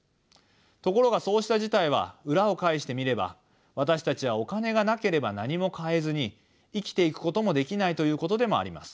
ところがそうした事態は裏を返してみれば私たちはお金がなければ何も買えずに生きていくこともできないということでもあります。